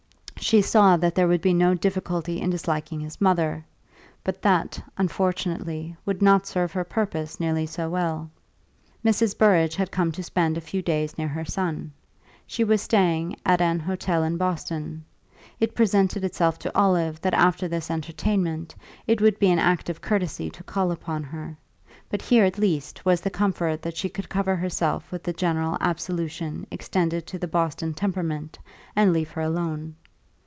She saw that there would be no difficulty in disliking his mother; but that, unfortunately, would not serve her purpose nearly so well. Mrs. Burrage had come to spend a few days near her son; she was staying at an hotel in Boston. It presented itself to Olive that after this entertainment it would be an act of courtesy to call upon her; but here, at least, was the comfort that she could cover herself with the general absolution extended to the Boston temperament and leave her alone.